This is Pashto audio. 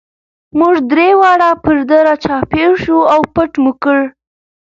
موږ درې واړه پر ده را چاپېر شو او پټ مو کړ.